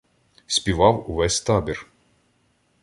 Співав увесь табір.